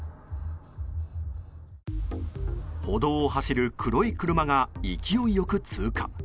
歩道を走る黒い車が勢いよく通過。